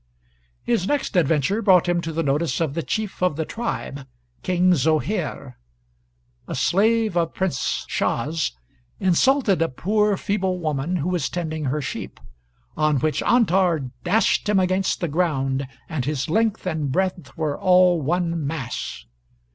_ [His next adventure brought him to the notice of the chief of the tribe, King Zoheir. A slave of Prince Shas insulted a poor, feeble woman who was tending her sheep; on which Antar "dashed him against the ground. And his length and breadth were all one mass."